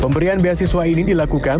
pemberian beasiswa ini dilakukan oleh jawa barat